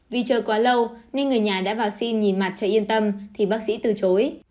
vì chờ quá lâu nên người nhà đã vào xin nhìn mặt trời yên tâm thì bác sĩ từ chối